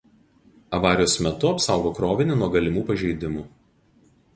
Avarijos metu apsaugo krovinį nuo galimų pažeidimų.